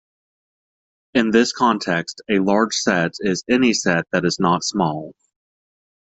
In this context, a large set is any set that is not small.